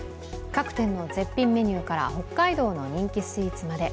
各店の絶品メニューから北海道の人気スイーツまで、